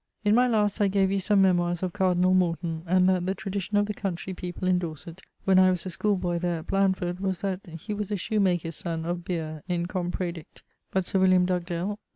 In my last I gave you some memoirs of cardinall Morton, and that the tradicion of the countrey people in Dorset, when I was a schooleboy there at Blandford, was that he was a shoe maker's son of Bere in com. praedict.: but Sir William Dugdale